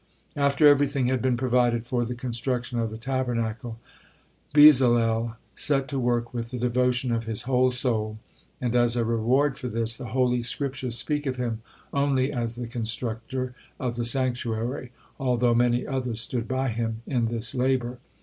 After everything had been provided for the construction of the Tabernacle, Bezalel set to work with the devotion of his whole soul, and as a reward for this, the Holy Scriptures speak of him only as the constructor of the sanctuary, although many others stood by him in this labor.